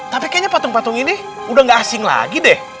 tapi kayaknya patung patung ini udah gak asing lagi deh